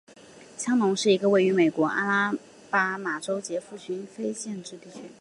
香农是一个位于美国阿拉巴马州杰佛逊县的非建制地区。